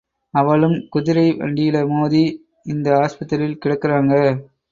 அவளும் குதிரை வண்டியிலமோதி, இந்த ஆஸ்பத்திரியில கிடக்குறாங்க!